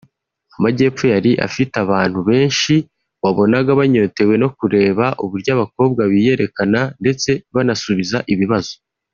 Amajyepfo yari afite abantu benshi wabonaga banyotewe no kureba uburyo abakobwa biyerekana ndetse banasubiza ibibazo